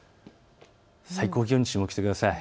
最高気温に注目してください。